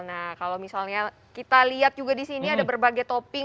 nah kalau misalnya kita lihat juga di sini ada berbagai topping